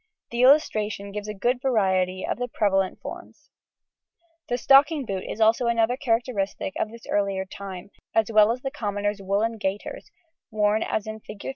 The illustration gives a good variety of the prevalent forms. The stocking boot is also another characteristic of this earlier time, as well as the commoners' woollen gaiters, worn as in Fig.